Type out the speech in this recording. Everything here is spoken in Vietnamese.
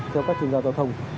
theo các truyền giao giao thông